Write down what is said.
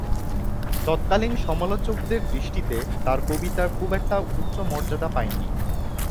তৎকালীন সমালোচকদের দৃষ্টিতে তার কবিতা খুব একটা উচ্চ মর্যাদা পায়নি।